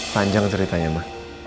panjang ceritanya ma